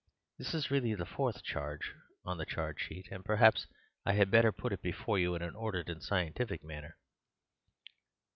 This is really the fourth charge on the charge sheet, and perhaps I had better put it before you in an ordered and scientific manner."